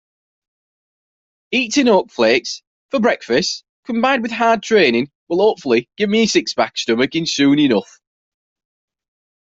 Eating oat flakes for breakfast combined with hard training will hopefully give me a six-pack stomach soon enough.